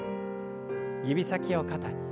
指先を肩に。